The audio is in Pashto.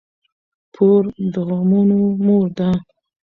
پور د غمونو مور ده.